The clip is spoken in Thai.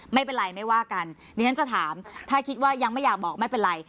ไม่เป็นไรไม่ว่ากันดิฉันจะถามถ้าคิดว่ายังไม่อยากบอกไม่เป็นไร